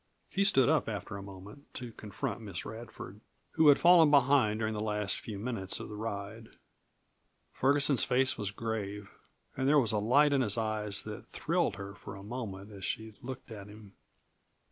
He stood up after a moment, to confront Miss Radford, who had fallen behind during the last few minutes of the ride. Ferguson's face was grave, and there was a light in his eyes that thrilled her for a moment as she looked at him.